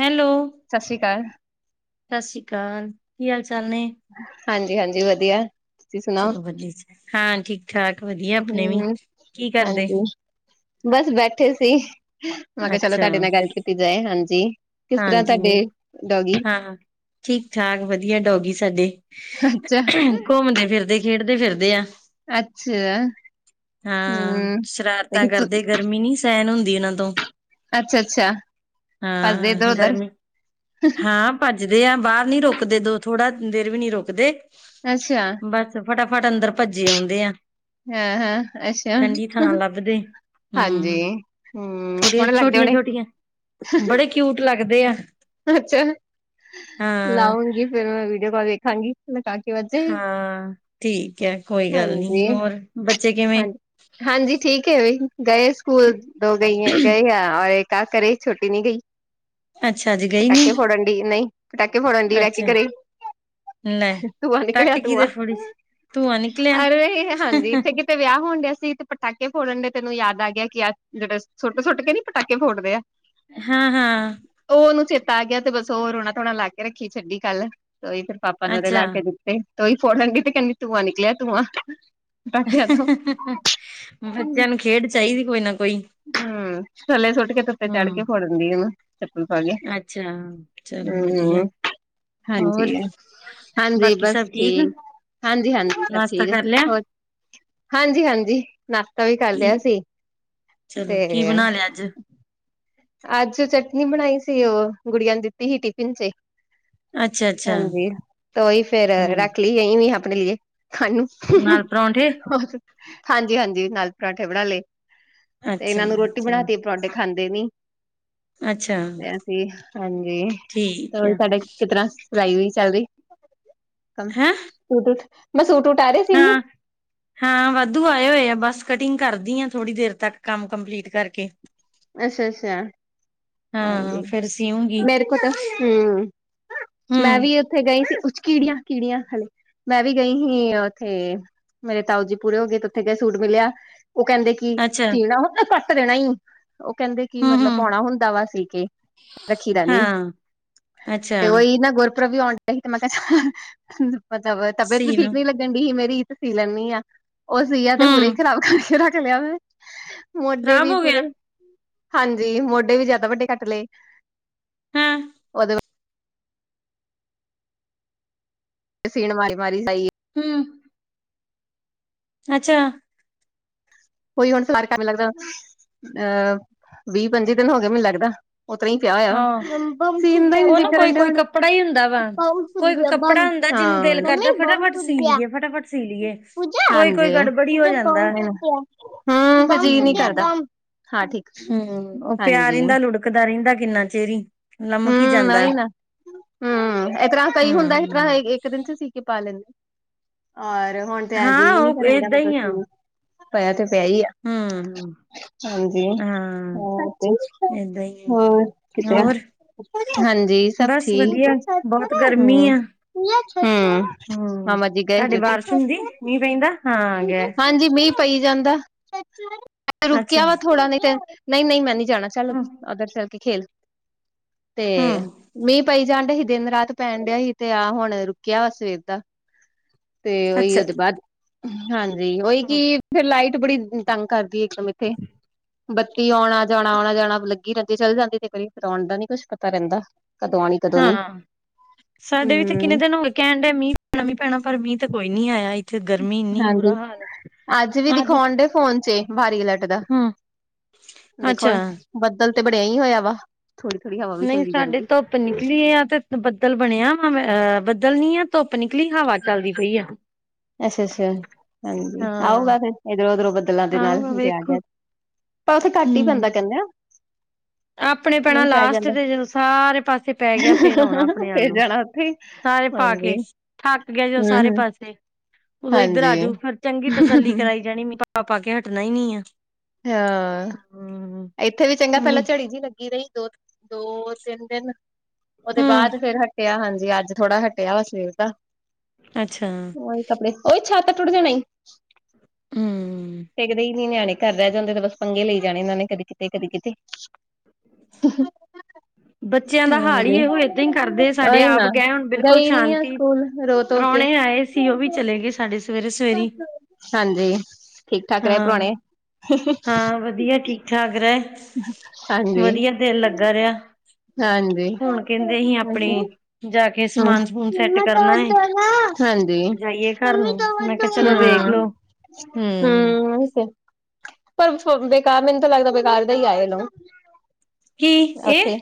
Hello ਸਤਿ ਸ਼੍ਰੀ ਅਕਾਲ ਸਤਿ ਸ੍ਰੀ ਅਕਾਲ, ਕੀ ਹਾਲ ਚਾਲ ਨੇ? ਹਾਂਜੀ, ਹਾਂਜੀ ਵਧੀਆ ਤੁਸੀਂ ਸੁਣਾਓ? ਚਲੋ ਵਧੀਆ ਜੀ। ਹਾਂ ਠੀਕ ਠਾਕ ਵਧੀਆ ਆਪਣੇ ਵੀ ਹੂੰ ਕੀ ਕਰਦੇ? ਹਾਂਜੀ ਬਸ ਬੈਠੇ ਸੀ। ਮੈਂ ਕਿਹਾ ਚਲੋ ਅੱਛਾ ਤੁਹਾਡੇ ਨਾਲ ਗੱਲ ਕੀਤੀ ਜਾਏ ਹਾਂਜੀ। ਕਿਸ ਤਰਾਂ ਹਾਂਜੀ ਨਹੀਂ ਤੁਹਾਡੇ ਡੋਗੀ? ਹਾਂ ਠੀਕ ਠਾਕ ਵਧੀਆ ਡੋਗੀ ਸਾਡੇ ਘੁੰਮਦੇ ਫਿਰਦੇ ਖੇਡਦੇ ਫਿਰਦੇ ਆ। ਅੱਛਾ। ਹਾਂ ਸ਼ਰਾਰਤਾਂ ਕਰਦੇ। ਗਰਮੀ ਨਹੀਂ ਸਹਿਣ ਹੁੰਦੀ ਇਹਨਾਂ ਤੋਂ। ਅੱਛਾ ਅੱਛਾ। ਹਾਂ। ਗਰਮੀ ਹਾਂ ਭੱਜਦੇ ਆ ਬਾਹਰ ਨਹੀਂ ਰੁਕਦੇ ਦੋ ਥੋੜਾ ਦੇਰ ਵੀ ਨਹੀਂ ਰੁਕਦੇ। ਅੱਛਾ। ਤੇ ਫਟਾਫਟ ਅੰਦਰ ਭੱਜੇ ਆਉਂਦੇ ਆ। ਹਾਂ ਹਾਂ ਅੱਛਾ। ਠੰਡੀ ਥਾਂ ਲੱਭਦੇ ਹਾਂਜੀ ਹਮ ਹੂੰ ਥੋੜੀਆਂ ਸੋਹਣੇ ਲੱਗਦੇ ਛੋਟੀਆਂ ਹੋਣੇ। ਛੋਟੀਆਂ ਬੜੇ ਕਿਊਟ ਲੱਗਦੇ ਆ। ਅੱਛਾ ਹਾਂ, ਲਾਉਂਗੀ ਫਿਰ ਮੈਂ ਵੀਡੀਓ ਕਾਲ ਦੇਖਾਂਗੀ [unintelligible] ਹਾਂ ਠੀਕ ਹੈ। ਕੋਈ ਗੱਲ ਨਹੀਂ ਹੋਰ ਬੱਚੇ ਕਿਵੇਂ? ਹਾਂਜੀ ਹਾਂਜੀ ਠੀਕ ਹੈ ਇਹ ਵੀ ਗਏ ਸਕੂਲ ਦੋ ਗਈ ਗਏ ਆ ਔਰ ਇੱਕ ਤਾਂ ਘਰੇ ਛੋਟੀ ਨਹੀਂ ਗਈ। ਅੱਛਾ ਜੀ। ਪਟਾਕੇ ਫੋੜਨ ਦਈ ਨਹੀਂ ਪਟਾਕੇ ਫੋੜਨ ਦਈ ਰਹਿ ਕੇ ਅੱਛਾ ਘਰੇ। ਲੈ ਧੂੰਆ ਨਿਕਲਿਆ ਟੱਕ ਧੂੰਆਂ ਕਿਹਦੇ ਫੋੜੀ ਚ? ਧੂੰਆਂ ਨਿਕਲਿਆ? ਅਰੇ ਹਾਂਜੀ ਇੱਥੇ ਕਿਤੇ ਵਿਆਹ ਹੋਣ ਡਿਆ ਸੀ ਤੇ ਪਟਾਕੇ ਫੋੜਨ ਦੇ ਤੇ ਇਹਨੂੰ ਯਾਦ ਆ ਗਿਆ ਕਿ ਆ ਜਿਹੜੇ ਸੁੱਟ ਸੁੱਟ ਕੇ ਨਹੀਂ ਪਟਾਕੇ ਫੋੜਦੇ ਆ। ਹਾਂ ਹਾਂ। ਉਹ ਉਹਨੂੰ ਚੇਤਾ ਆ ਗਿਆ ਤੇ ਬਸ ਉਹ ਰੁਣਾ ਧੋਣਾ ਲਾ ਕੇ ਰੱਖੀ ਛੱਡੀ ਕੱਲ ਉਹੀ ਫਿਰ ਪਾਪਾ ਨੇ ਉਹਦੇ ਲਾ ਅੱਛਾ ਕੇ ਦਿੱਤੀ। ਤੇ ਤੇ ਉਹੀ ਫੋੜਣ ਦਈ ਤੇ ਕਹਿੰਦੀ ਧੂੰਆਂ ਨਿਕਲਿਆ ਧੂੰਆਂ। ਪਟਾਕਿਆਂ ਤੋਂ ਬੱਚਿਆਂ ਨੂੰ ਖੇਡ ਚਾਹੀਦੀ ਕੋਈ ਨਾ ਕੋਈ। ਹੂੰ ਥੱਲੇ ਸੁੱਟ ਕੇ ਧੁੱਪੇ ਚੜ ਕੇ ਹੂੰ ਫ਼ੋੜਨ ਦਈ ਹਨਾ। ਚੱਪਲ ਪਾ ਕੇ ਅੱਛਾ ਚਲੋ ਵਧੀਆ ਹੂੰ ਹਾਂਜੀ। ਹੋਰ ਹਾਂਜੀ ਬਾਕੀ ਬਸ ਸਭ ਠੀਕ। ਹਾਂਜੀ ਹਾਂਜੀ ਸਭ ਨਾਸ਼ਤਾ ਠੀਕ ਹੈ ਕਰ ਲਿਆ ਹੋਰ? ਹਾਂਜੀ ਹਾਂਜੀ ਨਾਸ਼ਤਾ ਵੀ ਕਰ ਕੀ ਲਿਆ ਸੀ। ਚਲੋ ਤੇ ਕੀ ਬਣਾ ਲਿਆ ਅੱਜ? ਅੱਜ ਚਟਨੀ ਬਣਾਈ ਸੀ ਉਹ ਗੁੜੀਆਂ ਨੂੰ ਦਿੱਤੀ ਸੀ ਟਿਫਿਨ ਚ। ਅੱਛਾ, ਅੱਛਾ ਹਾਂਜੀ ਤੇ ਉਹੀ ਫੇਰ ਹੂੰ ਰੱਖ ਲਈ। [unintelligible] ਆਪਣੇ ਲਈ ਖਾਣ ਨੂੰ ਨਾਲ ਪਰੌਂਠੇ? ਹੋਰ। ਹਾਂਜੀ ਹਾਂਜੀ ਨਾਲ ਪਰਾਂਠੇ ਬਣਾ ਲਏ ਤੇ ਅੱਛਾ, ਇਹਨਾਂ ਨੂੰ ਰੋਟੀ ਚਲੋ ਬਣਾਤੀ ਪਰੌਠੇ ਖਾਂਦੇ ਨਹੀਂ। ਅੱਛਾ ਤੇ ਅਸੀਂ ਹਾਂਜੀ ਤੇ ਠੀਕ ਉਹੀ ਹੈ ਸਾਡੇ ਕਿ ਤਰ੍ਹਾਂ ਪੜਾਈ ਵੀ ਚੱਲਦੀ। ਹੈਂ ਸੂਟ ਮੈਂ ਸੂਟ ਊਟ ਆ ਰਹੇ ਸੀਨ ਨੂੰ? ਹਾਂ ਹਾਂ ਵਾਧੂ ਆਏ ਹੋਏ ਆ। ਬਸ ਕਟਿੰਗ ਕਰਦੀ ਆ ਥੋੜ੍ਹੀ ਦੇਰ ਤੱਕ ਕੰਮ ਕੰਪਲੀਟ ਕਰਕੇ। ਅੱਛਾ ਅੱਛਾ। ਹਾਂ ਹਾਂਜੀ ਫੇਰ ਸੀਊਂਗੀ ਮੇਰੇ ਕੋਲ ਤੇ ਹੂੰ ਮੈਂ ਹਮ ਵੀ ਉੱਥੇ ਗਈ ਸੀ ਉਚ ਕੀੜੀਆਂ ਕੀੜੀਆਂ ਹਾਲੇ ਮੈਂ ਵੀ ਗਈ ਸੀ ਉੱਥੇ ਮੇਰੇ ਤਾਓ ਜੀ ਪੂਰੇ ਹੋ ਗਏ ਤੇ ਉੱਥੇ ਗਏ ਸੂਟ ਮਿਲਿਆ। ਉਹ ਕਹਿੰਦੇ ਕਿ ਅੱਛਾ ਸੀਣਾ ਹੁਣ ਨਾ ਕੱਟ ਦੇਣਾ ਹੀ। ਉਹ ਕਹਿੰਦੇ ਕਿ ਹਮ ਮਤਲਬ ਹਮ ਪਾਉਣਾ ਹੁੰਦਾ ਵਾ ਸੀ ਕੇ ਰੱਖੀ ਦਾ ਨਹੀਂ। ਹਾਂ ਅੱਛਾ ਤੇ ਉਹੀ ਨਾ ਗੁਰਪੁਰਬ ਵੀ ਆਉਣ ਮੈਂ ਕਿਹਾ ਮਤਲਬ ਤਬੀਅਤ ਵੀ ਸੀ ਠੀਕ ਲੋ ਨਹੀਂ ਲੱਗਣ ਦਈ ਮੇਰੀ ਤੇ ਸੀ ਲੈਂਦੀ ਆ। ਉਹ ਸੀਆ ਤੇ ਪੂਰੇ ਹਮ ਖ਼ਰਾਬ ਕਰਕੇ ਰੱਖ ਲਿਆ ਮੈਂ ਮੋਢੇ ਖ਼ਰਾਬ ਵੀ ਹੋ ਪੂਰੇ ਗਿਆ ਹਾਂਜੀ ਮੋਢੇ ਵੀ ਜ਼ਿਆਦਾ ਵੱਡੇ ਕੱਟ ਲਏ ਹੈਂ ਉਹਦੇ ਤੇ ਸੀਣ ਮਾਰੀ ਬਾਰਿਸ਼ ਆਏਗੀ। ਹਮ ਅੱਛਾ ਕੋਈ ਹੁਣ ਸਵਾਰ ਕਰ ਮੈ ਲੱਗਦਾ ਅਹ ਵੀਹ ਪੰਜੀ ਦਿਨ ਹੋ ਗਏ ਮੈਨੂੰ ਲੱਗਦਾ। ਓਸ ਤਰਾਂ ਹੀ ਪਿਆ ਦਾ ਆ ਹਾਂ ਸਿਓਣ ਦਾ ਨੀ ਉਹ ਜੀ ਨਾ ਕੋਈ ਕਰਨ ਡਆ ਕੋਈ ਹੁਣ। ਕੱਪੜਾ ਹੀ ਹੁੰਦਾ ਵਾ ਕੋਈ ਕੋਈ ਕੱਪੜਾ ਹੁੰਦਾ ਜਿਹਨੂੰ ਦਿਲ ਕਰਦਾ ਫਟਾਫਟ ਸੀ ਲਈਏ [unintelligible] ਹਾਂ ਫਟਾਫਟ ਸੀ ਲਈਏ ਕੋਈ ਕੋਈ ਹਾਂਜੀ। ਗੜਬੜੀ ਹੋ ਜਾਂਦਾ ਹੂੰ ਜੀ ਨਹੀਂ ਹਮ ਕਰਦਾ। ਹਮ ਉਹ ਪਿਆ ਰਹਿੰਦਾ ਲੁੜਕਦਾ ਰਹਿੰਦਾ ਕਿੰਨਾ ਚਿਰ ਹੀ। ਲਮਕ ਹੀ ਹਮ ਜਾਂਦਾ ਉਹੀ ਨਾ ਹਮ ਇਸ ਤਰ੍ਹਾਂ ਕਈ ਹੁੰਦਾ। ਇਸ ਤਰ੍ਹਾਂ ਹੂੰ ਇੱਕ ਦਿਨ ਚ ਸੀ ਕੇ ਪਾ ਲੈਂਦੇ ਔਰ ਹੁਣ ਤੇ ਐ ਹਾਂ ਜੀਅ ਨੀ ਉਹ ਕਰਨ ਡਆ ਏਦਾਂ ਮੇਰਾ ਤੇ ਸੀਣ ਨੂੰ। ਪਇਆ ਤੇ ਪਿਆ ਹੀ ਆ। ਹਮਮ ਹਾਂਜੀ ਹਾਂ ਤੇ ਏਦਾਂ ਹੀ ਆ ਹੋਰ ਕੀ। ਹੋਰ ਹਾਂਜੀ ਸਭ ਬਸ ਠੀਕ ਵਧੀਆ ਬਹੁਤ ਹਮ ਗਰਮੀ ਆ। ਹਮ। ਹਾਂ ਹੂੰ ਮਾਮਾ ਗਏ ਤੁਹਾਡੇ ਜਤਿਨ। ਬਾਰਿਸ਼ ਹੁੰਦੀ ਮੀਂਹ ਪਈ ਦਾਂ। ਹਾਂਜੀ, ਮੀਂਹ ਪਈ ਜਾਂਦਾਂ ਅੱਛਾ ਰੁਕਿਆ ਵਾ ਥੋੜਾ ਨੇ ਤੇ ਨਹੀਂ ਨਹੀਂ ਮੈ ਨੀ। ਜਾਣਾਂ ਚੱਲ ਹੂੰ ਅਗਰ ਚੱਲ ਕੇ ਖੇਲ ਤੇ ਹੂੰ, ਮੀਂਹ ਪਈ ਜਾਣ ਡਿਆ ਸੀ ਦਿਨ ਰਾਤ ਪੈਣ ਡਿਆ ਸੀ ਤੇ ਆਹ ਹੁਣ ਰੁਕਿਆ ਵਾ ਸਵੇਰ ਦਾ ਤੇ ਉਹੀ ਅੱਛਾ ਉਹਦੇ ਬਾਅਦ ਹਾਂਜੀ ਉਹੀ ਹਾਂ ਕੀ ਫਿਰ ਲਾਈਟ ਬੜੀ। ਤੰਗ ਕਰਦੀ ਇੱਕਦਮ ਇੱਥੇ ਬੱਤੀ ਆਉਣਾ ਜਾਣਾ ਆਉਣਾ ਜਾਣਾ ਲੱਗਿਆ। ਬੱਤੀ ਚੱਲ ਜਾਂਦੀ ਤੇ ਕਦੀ ਫਿਰ ਆਉਣ ਦਾ ਨੀ ਕੁੱਛ ਪਤਾ ਰਹਿੰਦਾ। ਕਦੋਂ ਆਉਣੀ ਕਦੋਂ ਨੀ ਹਾਂ ਸਾਡੇ ਵੀ ਤੇ ਕਿੰਨੇ ਹਮ ਦਿਨ ਹੋਏ ਕਹਿਣ ਡਿਹੇ ਮੀਂਹ ਨਵੀਂ ਭੈਣ ਪਰ ਮੀਂਹ ਤੇ ਕੋਈ ਨੀ ਆਇਆ ਇੱਥੇ ਗਰਮੀਂ ਇੰਨੀ ਹਾਂਜੀ ਬੁਰਾ ਹਾਲ ਅੱਜ ਵੀ ਅਜ। ਦਿਖਾਉਣ ਡੇ ਫੋਨ ਚ ਇਕ ਵਾਰੀ ਨੇਟ ਦਾ ਦੇਖੋ ਅੱਛਾ ਹੁਣ ਬੱਦਲ ਤੇ ਬਣਿਆ ਹੀ ਹੋਇਆ ਵਾ। ਥੋੜ੍ਹੀ ਥੋੜ੍ਹੀ ਹਵਾ ਵੀ ਨਹੀਂ ਚੱਲੀ ਸਾਡੇ ਜਾਂਦੀ ਤੋਂ ਧੁੱਪ ਨਿਕਲੀ ਆ ਤੇ ਬੱਦਲ ਬਣਿਆ ਆ ਬੱਦਲ ਨੀ ਆ ਧੁੱਪ ਨਿਕਲੀ ਹਵਾ ਚੱਲਦੀ ਪਈ ਆ। ਅੱਛਾ, ਅੱਛਾ ਹਾਂਜੀ ਹਾਂ ਆਊਗਾ ਫਿਰ ਇਧਰੋਂ ਉਧਰੋਂ ਬਦਲਾਂ ਦੇ ਨਾਲ ਆਊਗਾ ਜੇ ਆ ਵੇਖੋ ਗਿਆ। ਪਰ ਉੱਥੇ ਘੱਟ ਹੀ ਪੈਂਦਾ ਹੂੰ ਕਹਿੰਦੇ ਆ। ਆਪਣੇ ਕਿ ਭੈਣਾਂ ਨਹੀਂ ਪੈ ਲਾਸਟ ਜਾਂਦਾ ਤੇ ਜਦੋਂ ਸਾਰੇ ਪਾਸੇ ਪੈ ਗਿਆ ਫਿਰ ਆਉਣਾ ਆਪਣੇ ਅੱਲ ਫਿਰ ਨੂੰ। ਜਾਣਾ ਉੱਥੇ ਸਾਰੇ ਪਾਕੇ ਹਾਂਜੀ ਥੱਕ ਗਿਆ ਜੋ ਹੂੰ ਸਾਰੇ ਹੂੰ ਪਾਸੇ। ਉਹ ਇੱਧਰ ਆ ਹਾਂਜੀ ਜਾਊ ਫਿਰ ਚੰਗੀ ਤਸੱਲੀ ਕਰਾਈ ਜਾਣੀ ਮੇ ਪਾ ਪਾ ਕੇ ਹਟਣਾ ਹੀ ਨਹੀਂ ਆ। ਹਾਂ, ਹੂੰ ਇੱਥੇ ਵੀ ਚੰਗਾ ਇੰਨੀ ਪਹਿਲਾਂ ਝੜੀ ਜਿਹੀ ਲੱਗੀ ਰਹੀ। ਦੋ ਦੋ ਤਿੰਨ ਦਿਨ ਉਹਦੇ ਹੂੰ ਬਾਅਦ ਫਿਰ ਹਟਿਆ। ਹਾਂਜੀ ਅੱਜ ਥੋੜਾ ਹਟਿਆ। ਹਟਿਆ ਵਾ ਸਵੇਰ ਦਾ ਅੱਛਾ ਉਹੀ ਕੱਪੜੇ ਉਹੀ ਛੱਤ ਟੁੱਟ ਜਾਣਾ ਹੂੰ ਟਿਕਦੇ ਹੀ ਨਹੀਂ ਨਿਆਣੇ। ਘਰ ਰਹਿ ਜਾਂਦੇ ਤੇ ਬੱਸ ਪੰਗੇ ਲਈ ਜਾਣੇ ਇਹਨਾਂ ਨੇ ਕਦੀ ਕਿਤੇ ਕਦੀ ਕਿਤੇ। ਬੱਚਿਆਂ ਦਾ ਹਾਲ ਹੀ ਹਾਂਜੀ ਇਹ ਏਦਾਂ ਹੀ ਕਰਦੇ ਸਾਡੇ ਉਹੀ ਆਪ ਨਾ ਗਏ ਹੁਣ ਬਿਲਕੁਲ ਗਈ ਨੀ ਆ ਸ਼ਾਂਤੀ ਸਕੂਲ ਰੋ ਧੋ ਕੇ ਪ੍ਰਾਹੁਣੇ ਆਏ। ਸੀ ਉਹ ਵੀ ਚਲੇ ਗਏ ਸਾਡੇ ਸਵੇਰੇ ਸਵੇਰੇ। ਹਾਂਜੀ, ਠੀਕ ਠਾਕ ਰਹੇ ਹਾਂ ਪ੍ਰੁਹਣੇ। ਹਾਂ, ਵਧੀਆ ਠੀਕ ਠਾਕ ਰਹੇ ਹਾਂਜੀ ਵਧੀਆ ਦਿਲ ਲੱਗਾ ਰਿਹਾ। ਹਾਂਜੀ ਹੁਣ ਕਹਿੰਦੇ ਅਸੀਂ ਆਪਣੇ ਹਾਂਜੀ ਹੂੰ ਜਾ ਕੇ ਹੂੰ ਸਮਾਨ ਸਮੂਨ ਸੈਟ ਕਰਨਾ ਏ। ਜਾਈਏ ਘਰ ਨੂੰ ਮੈਂ ਕਿਹਾ ਚਲੋ ਵੇਖ ਲੋ ਹਮ। ਹਮ ਪਰ ਬੇਕਾਰ ਮੈਨੂੰ ਤਾਂ ਲੱਗਦਾ ਬੇਕਾਰ ਜਿਹਾ ਹੀ ਆਏਗਾ। ਕੀ ਇਹ ਉੱਥੇ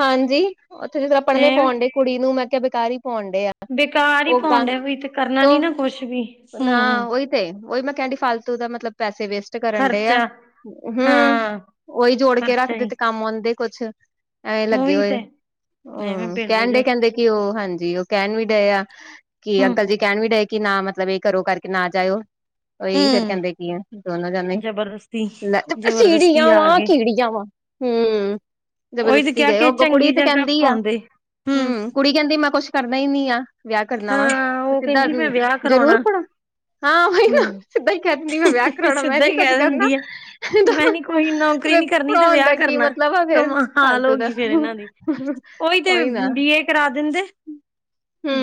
ਹਾਂਜੀ ਉੱਥੇ ਜਦੋਂ ਪੜ੍ਹਨੇ ਐਵੇਂ ਪਾਉਣ ਡੇ ਕੁੜੀ ਨੂੰ ਮੈਂ ਕਿਹਾ ਬੇਕਾਰ ਹੀ ਘੁੰਮਣ ਡੇ ਆ। ਬੇਕਾਰ ਹੀ ਉਹ ਪਾਉਣ ਡਏ ਵੀ ਇੱਥੇ ਕਰਨਾ ਨੀ ਨਾ ਕੁੱਛ ਵੀ। ਨਾ ਹੂੰ ਉਹੀ ਤੇ ਉਹੀ ਮੈਂ ਕਹਿਣ ਡੇ ਫਾਲਤੂ ਦਾ ਮੱਤਲਬ ਪੈਸੇ ਵੇਸਟ। ਕਰਨ ਡੇ ਆ ਖਰਚਾ ਹਮ ਹਾਂ ਉਹੀ ਜੋੜ ਕੇ ਖਰਚਾ ਰੱਖਦੇ ਹੀ ਤੇ ਕੰਮ ਆਉਂਦੇ ਕੁੱਛ। ਐਵੇਂ ਲੱਗੇ ਉਹੀ ਹੋਏ ਤੇ ਐਵੇਂ ਹਮ ਕਹਿਣ ਬੇਵਜਾ ਡੇ ਕਹਿੰਦੇ। ਕਿ ਉਹ ਹਾਂਜੀ, ਉਹ ਕਹਿਣ ਵੀ ਡਏ ਆ ਕਿ ਹੂੰ ਅੰਕਲ ਜੀ ਕਹਿਣ ਵੀ ਡਏ ਕਿ ਨਾ ਮੱਤਲਬ। ਘਰੋ ਕਰਕੇ ਨਾ ਜਾਇਓ। ਉਹੀ ਫਿਰ ਹੂੰ ਕਹਿੰਦੇ ਕੀ ਆ ਦੋਨੋ ਜਾਣੇ, ਜਬਰਦਸਤੀ ਲੈ ਜਬਰਦਸਤੀ ਸੀੜੀਆਂ ਆ ਵਾ ਗਏ ਕੀੜੀਆਂ ਵਾ। ਹੂੰ, ਉਹੀ ਤੇ ਜ਼ਬਰਦਸਤੀ ਕਿਹਾ ਗਏ ਕਿ ਅੱਗੋਂ ਕੁੜੀ ਚੰਗੀ ਤੇ ਜਗ੍ਹਾ ਕਹਿੰਦੀ ਆ, ਪਾਉਂਦੇ ਹੂੰ। ਕੁੜੀ ਕਹਿੰਦੀ ਮੈਂ ਕੁੱਛ ਕਰਨਾ ਹੀ ਨੀ ਆ ਵਿਆਹ ਕਰਨਾ ਵਾ, ਹਾਂ ਤੇ ਉਹ ਸਿੱਧਾਂ ਕਹਿੰਦੀ ਮੈਂ ਵਿਆਹ ਜ਼ਰੂਰ, ਕਰਾਉਣਾ ਪੜੋ ਹਾਂ ਬਈ ਨਾ ਹੂੰ ਸਿੱਦਾਂ ਹੀ ਕਹਿ ਦਿੰਦੀ ਮੈਂ ਵਿਆਹ ਕਰਾਉਣਾ ਮੈਂ ਸਿੱਧਾ ਨੀ ਹੀ ਕੁੱਝ ਕਹਿ ਕਰਨਾ। ਦਿੰਦੀ ਆ ਮੈਂ ਨੀ ਕੋਈ ਨੌਕਰੀ ਫਿਰ ਨੀ ਕਰਨੀ ਤੇ ਪੜ੍ਹਾਉਣ ਵਿਆਹ ਦਾ ਕੀ ਕਰਨਾ, ਮਤਲਬ ਆ ਫੇਰ ਕਮਾਲ ਹੋ ਫਾਲਤੂ ਦਾ। ਗਈ ਫਿਰ ਇਹਨਾਂ ਦੀ। ਉਹੀ ਤੇ ਬੀਏ ਕਰਾ ਦਿੰਦੇ।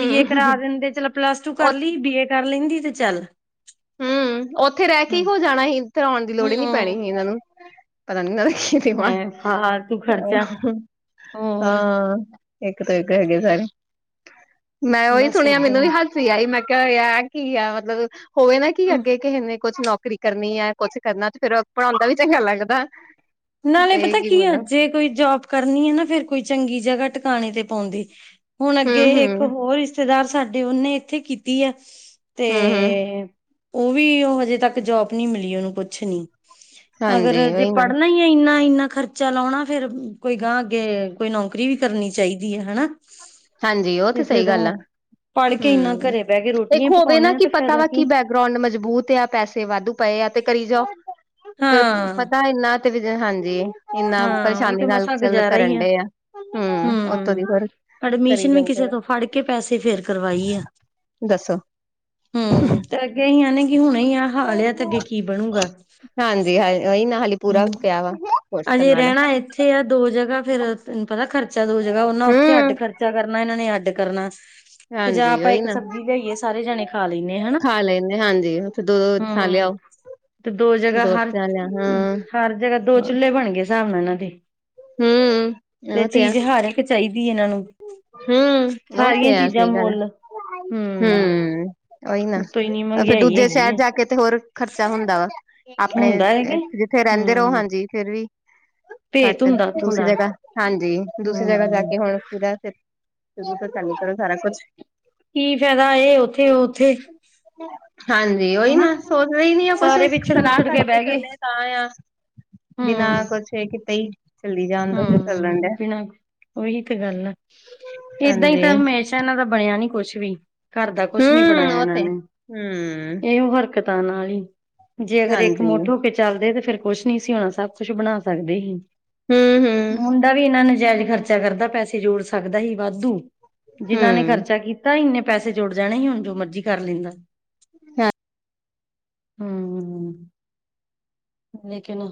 ਬੀ ਏ ਕਰਾ ਦਿੰਦੇ ਚਲੋ ਪਲੱਸ ਟੂ ਕਰ ਲਈ ਬੀ ਏ ਕਰ ਲੈਂਦੀ ਤੇ ਚੱਲ। ਹੂੰ, ਉੱਥੇ ਰਹਿ ਕੇ ਹੀ ਹੋ ਜਾਣਾ ਸੀ ਇੱਥੇ ਆਉਣ ਦੀ ਲੋੜ ਹੀ ਨਹੀਂ ਪੈਣੀ ਸੀ ਇਹਨਾਂ ਹੂੰ ਨੂੰ। ਪਤਾ ਨਹੀਂ ਕੀਤੀ ਹਾਂ, ਐ ਫਾਲਤੂ ਖਰਚਾ ਹੋਰ ਹਾਂ। ਇੱਕ ਤੋਂ ਇੱਕ ਹੈਗੇ ਸਾਰੇ, ਮੈਂ ਉਹੀ ਬਸ ਸੁਣਿਆ ਮੈਨੂੰ ਏਦਾਂ ਵੀ ਆ ਹੀ ਮੈਂ ਕਿਹਾ ਯਾਰ ਕੀ ਆ ਮੱਤਲਬ ਹੋਵੇ ਨਾ ਕੀ ਹੀ ਅੱਗੇ ਕਿਸੇ ਨੇ, ਕੁੱਛ ਨੌਕਰੀ ਕਰਨੀ ਹੈ ਕੁੱਛ ਕਰਨਾ ਤੇ ਫਿਰ ਪੜ੍ਹਾਉਂਦਾ ਵੀ ਚੰਗਾ ਲੱਗਦਾ। ਨਾਲੇ ਤੇ ਪਤਾ ਕੀ ਆ ਮਤਲਬ ਜੇ ਕੋਈ ਜੋਬ ਕਰਨੀ ਹੈ ਨਾ ਫਿਰ ਕੋਈ ਚੰਗੀ ਜਗ੍ਹਾ ਟਿਕਾਣੇ ਤੇ ਪਾਉਂਦੇ। ਹੁਣ ਅੱਗੇ ਇੱਕ ਹੂੰ-ਹੂੰ, ਹੋਰ ਰਿਸ਼ਤੇਦਾਰ ਸਾਡੇ ਉਹਨੇ ਇੱਥੇ ਕੀਤੀ ਆ। ਤੇ ਹੂੰ-ਹੂੰ ਉਹ ਵੀ ਉਹ ਹਜੇ ਤੱਕ ਜੋਬ ਨੀ ਮਿਲੀ ਉਹਨੂੰ ਕੁਛ ਨੀ। ਹਾਂਜੀ ਅਗਰ ਜੇ ਉਹੀ ਨਾ ਪੜ੍ਹ ਨਹੀਂ ਇੰਨਾ- ਇੰਨਾ ਖਰਚਾ ਲਾਉਣਾ ਫੇਰ ਕੋਈ ਗਹ ਅੱਗੇ ਕੋਈ ਨੌਕਰੀ ਵੀ ਕਰਨੀ ਚਾਹੀਦੀ ਹੈ ਹਨਾ। [inaudible] ਹਾਂਜੀ ਉਹ ਤੇ ਸਹੀ ਗੱਲ ਆ, ਪੜ੍ਹ ਕੇ ਇੰਨਾ ਹੂੰ, ਘਰੇ ਬਹਿ ਕੇ ਰੋਟੀਆਂ ਇੱਕ ਹੀ ਹੋਵੇ ਨਾ ਪਕਾਉਣੀਆਂ ਕੀ ਤੇ ਪਤਾ ਫਾਇਦਾ ਵਾ ਕੀ ਬਹਿ ਗਰਾਉਡ ਮਜ਼ਬੂਤ ਆ ਪੈਸੇ ਵਾਧੂ ਪਏ ਆ ਤੇ ਕਰੀ ਜਾ, ਫਿਰ ਹਾਂ ਪਤਾ ਇੰਨਾ ਹਾਂਜੀ, ਇੰਨਾ ਹਾਂ ਉਹੀ ਪਰੇਸ਼ਾਨੀ ਤੇ ਨਾਲ ਮਸਾਂ ਚੱਲ ਗੁਜ਼ਾਰਾ ਹੀ ਕਰਨ ਡਏ ਆ ਹੂੰ ਓਥੋਂ ਹਮ ਦੀ ਫੇਰ ਐਡਮਿਸ਼ਨ ਵੀ ਕਿਸੇ ਤੋਂ ਫੜ ਕੇ ਪੈਸੇ ਫੇਰ ਕਰਵਾਈ ਆ। [inaudible] ਇਹੀ ਆਨੇ ਹੁਣੇ ਆਹ ਹਾਲ ਆ ਤੇ ਅੱਗੇ ਕੀ ਬਣੂਗਾ। ਹਾਂਜੀ, ਹਾ ਇਹੀ ਨਾ ਹਾਲੀ ਪੂਰਾ ਹੂੰ ਪਿਆ ਵਾ ਕੋਰਸ ਕਰਨ ਅਜੇ ਆਲਾ। ਰਹਿਣਾ ਇੱਥੇ ਆ ਦੋ ਜਗ੍ਹਾ ਫੇਰ ਤੈਨੂੰ ਪਤਾ ਖਰਚਾ ਦੋ ਜਗ੍ਹਾ ਓਨਾ ਉੱਥੇ ਅੱਡ ਹੂੰ ਖਰਚਾ ਕਰਨਾ ਇਹਨਾਂ ਨੇ ਅੱਡ ਕਰਨਾ। ਕਿ ਜਾਂ ਹਾਂਜੀ ਆਪਾਂ ਉਹੀ ਇੱਕ ਨਾ ਸਬਜ਼ੀ ਲਿਆਈਏ ਸਾਰੇ ਜਾਣੇ ਖਾ ਲੈਂਣੇ ਹਨਾ, ਖਾ ਲੈਂਦੇ ਹਾਂਜੀ ਉੱਥੇ ਦੋ ਥਾਂ ਹੂੰ। ਲਿਆਓ ਤੇ ਦੋ ਜਗ੍ਹਾ ਹਰ ਥਾਂ ਲਿਆ ਹਾਂ ਹਰ ਜਗ੍ਹਾ ਦੋ ਚੂਲੇ ਬਣ ਗਏ ਹਿਸਾਬ ਨਾਲ ਇਹਨਾਂ ਦੇ, ਹੂੰ ਤੇ ਉਹ ਆ ਚੀਜ਼ ਹਰ ਕਿ ਚਾਹੀਦੀ ਇਹਨਾਂ ਨੂੰ ਹੂੰ, ਉਹ ਤੇ ਸਾਰੀਆਂ ਹੈ ਚੀਜ਼ਾਂ ਸਹੀ ਗੱਲ ਏ। ਮੁੱਲ ਹੂੰ ਹੂੰ, ਉਹੀ ਨਾ ਉਤੋਂ ਇੰਨੀ ਫੇਰ ਮਹਿੰਗਾਈ ਦੂਜੇ ਹੈਗੀ ਸ਼ਹਿਰ ਆ ਜਾ ਕੇ ਤੇ ਹੋਰ ਖ਼ਰਚਾ ਹੁੰਦਾ ਵਾ। ਆਪਣੇ ਹੁੰਦਾ ਹੈ ਕਿ ਜਿੱਥੇ ਰਹਿੰਦੇ ਰਹੋ ਹੂੰ ਹਾਂਜੀ ਫਿਰ ਵੀ ਭੇਤ ਘੱਟ ਹੁੰਦਾ ਉੱਥੋਂ ਦੂਸਰੀ ਦਾ। ਜਗ੍ਹਾ ਹਾਂਜੀ ਦੂਸਰੀ ਜਗ੍ਹਾ ਜਾ ਹੂੰ। ਕੇ ਹੁਣ ਪੂਰਾ ਫਿਰ [unintelligible] ਚੰਗੀ ਤਰਾਂ ਸਾਰਾ ਕੁਛ, ਕੀ ਫਾਇਦਾ ਇਹ ਉੱਥੇ ਉ ਉੱਥੇ ਹਾਂਜੀ, ਉਹੀ ਹਨਾ ਨਾ ਸੋਚਦੇ ਨੀ ਆ ਕੁਛ ਸਾਰੇ ਵਿਛੜ ਸਲਾਹ ਵੁਛੜ ਕੇ ਕਰਕੇ ਬਹਿ ਗਏ। ਚੱਲ ਤਾਂ ਆ, ਬਿਨਾਂ ਕੁਛ ਇਹ ਕਿਤੇ ਹੀ ਚੱਲੀ ਜਾਣਦਾ ਜੋ ਚੱਲਣ ਹੂੰ-ਹੂੰ ਡਿਆ। ਬਿਨਾਂ ਉਹੀ ਤੇ ਗੱਲ ਆ ਏਦਾਂ ਹੀ ਹਾਂਜੀ ਤਾਂ ਹਮੇਸ਼ਾ ਇਹਨਾਂ ਦਾ ਬਣਿਆ ਨੀ ਕੁਛ ਵੀ ਘਰ ਦਾ ਕੁਛ ਨੀ ਹੂੰ ਬਣਾਇਆ ਉਹ ਇਹਨਾਂ ਤੇ ਨੇ ਹੂੰ ਇਹੋ ਹਰਕਤਾਂ ਨਾਲ ਹੀ। ਜੇ ਅਗਰ ਇੱਕ ਹਾਂਜੀ ਮੁੱਠ ਹੋ ਕੇ ਚੱਲਦੇ ਤੇ ਫੇਰ ਕੁਛ ਨਹੀਂ ਸੀ ਹੋਣਾ ਸਭ ਕੁਛ ਬਣਾ ਸਕਦੇ ਹੀ। ਹੂੰ-ਹੂੰ, ਮੁੰਡਾ ਵੀ ਇਹਨਾ ਨਜਾਇਜ਼ ਖਰਚਾ ਕਰਦਾ ਪੈਸੇ ਜੋੜ ਸਕਦਾ ਸੀ ਵਾਧੂ ਜਿਨਾਂ ਨੇ ਹੂੰ ਖਰਚਾ ਕੀਤਾ ਇੰਨੇ ਪੈਸੇ ਜੁੜ ਜਾਣੇ ਸੀ ਹੁਣ ਜੋ ਮਰਜੀ ਕਰ ਲੈਂਦਾ। ਹੂੰ। ਲੇਕਿਨ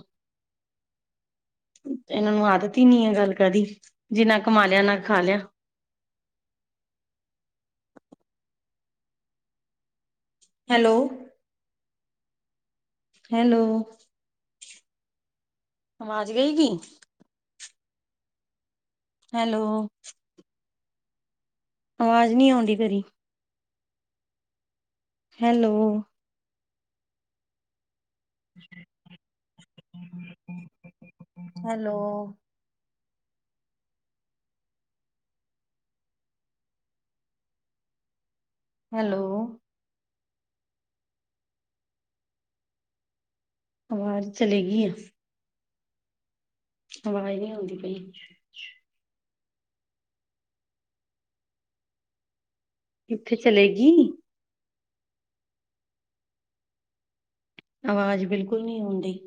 ਇਹਨਾਂ ਨੂੰ ਆਦਤ ਹੀ ਨੀ ਹੈ ਗੱਲ ਕਦੀ, ਜਿਨਾਂ ਕਮਾ ਲਿਆ ਨਾ ਖਾ ਲਿਆ। ਹੈਲੋ। ਹੈਲੋ, ਆਵਾਜ਼ ਗਈ ਗੀ। ਹੈਲੋ ਆਵਾਜ਼ ਨਹੀਂ ਆਉਂਦੀ ਤੇਰੀ ਹੈਲੋ ਹੈਲੋ ਹੈਲੋ ਆਵਾਜ਼ ਚਲੀ ਗਈ ਆ। ਆਵਾਜ਼ ਨਹੀਂ ਆਉਂਦੀ ਪਈ। ਕਿੱਥੇ ਚਲੇਗੀ। ਆਵਾਜ਼ ਬਿਲਕੁਲ ਨਹੀਂ ਆਉਂਣਦੀ।